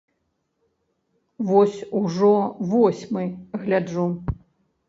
Вось ужо восьмы гляджу.